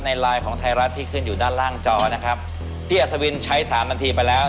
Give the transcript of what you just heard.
ไลน์ของไทยรัฐที่ขึ้นอยู่ด้านล่างจอนะครับพี่อัศวินใช้สามนาทีไปแล้ว